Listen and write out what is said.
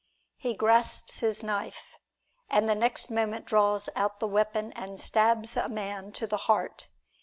He grasps his knife, and the next moment draws out the weapon and stabs a man to the heart.